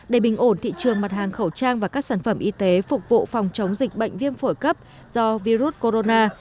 để bình ổn thị trường mặt hàng khẩu trang và các sản phẩm y tế phục vụ phòng chống dịch bệnh viêm phổi cấp do virus corona